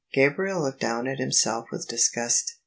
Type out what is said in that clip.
" Gabriel looked down at himself with disgust.